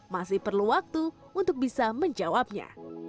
masih perlu waktu untuk bisa menjawabnya